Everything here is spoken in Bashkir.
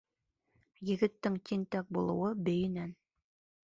Егеттең тинтәк булыуы бейенән.